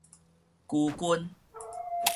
龜根